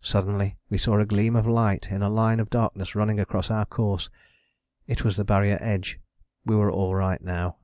Suddenly we saw a gleam of light in a line of darkness running across our course. It was the Barrier edge: we were all right now.